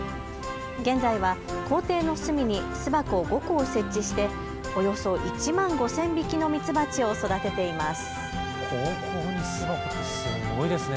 現在は校庭の隅に巣箱５個を設置しておよそ１万５０００匹のミツバチを育てています。